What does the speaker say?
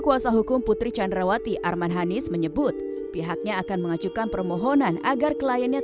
kuasa hukum putri candrawati arman hanis menyebut pihaknya akan mengajukan permohonan agar kliennya